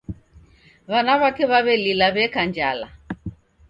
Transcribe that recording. W'ana w'ake w'aw'elila w'eka njala.